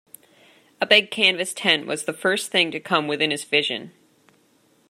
A big canvas tent was the first thing to come within his vision.